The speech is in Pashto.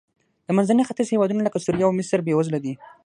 د منځني ختیځ هېوادونه لکه سوریه او مصر بېوزله دي.